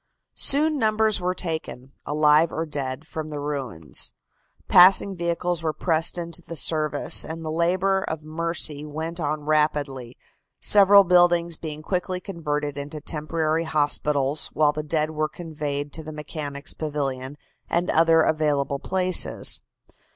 Soon numbers were taken, alive or dead, from the ruins, passing vehicles were pressed into the service, and the labor of mercy went on rapidly, several buildings being quickly converted into temporary hospitals, while the dead were conveyed to the Mechanics' Pavilion and other available places.